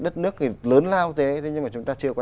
thì lớn lao thế nhưng mà chúng ta chưa có